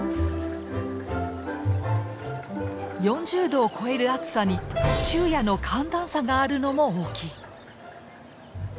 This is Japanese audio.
４０度を超える暑さに昼夜の寒暖差があるのも大きい。